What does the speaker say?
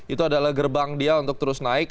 itu adalah gerbang dia untuk terus naik